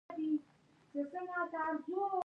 یاري صاحب چیرې دی؟